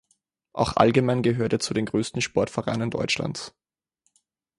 Auch allgemein gehört er zu den größten Sportvereinen Deutschlands.